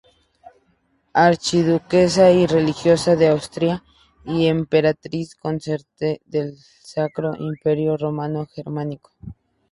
Archiduquesa y religiosa de Austria y emperatriz consorte del Sacro Imperio Romano Germánico.